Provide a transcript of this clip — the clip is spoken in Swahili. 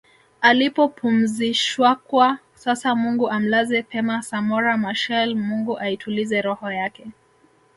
alipopumzishwakwa sasa Mungu amlaze pema Samora Machel Mungu aitulize roho yake